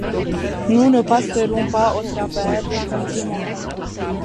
Nous ne passerons pas au travers, répondit Mokoum.